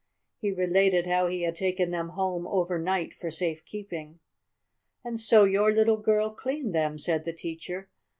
He related how he had taken them home over night for safe keeping. "And so your little girl cleaned them," said the teacher.